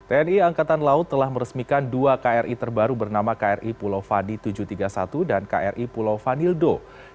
tni angkatan laut telah meresmikan dua kri terbaru bernama kri pulau fadi tujuh ratus tiga puluh satu dan kri pulau vanildo